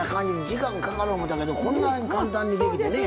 時間かかる思うたけどこんなん簡単にできてね。